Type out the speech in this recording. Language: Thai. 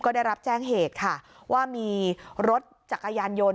ได้รับแจ้งเหตุค่ะว่ามีรถจักรยานยนต์